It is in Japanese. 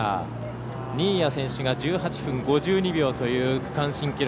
新谷選手が１８分５２秒という区間新記録。